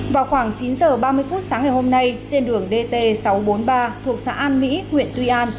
vào khoảng chín h ba mươi phút sáng ngày hôm nay trên đường dt sáu trăm bốn mươi ba thuộc xã an mỹ huyện tuy an